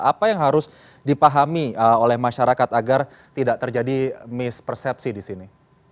apa yang harus dipahami oleh masyarakat agar tidak terjadi mispersepsi di sini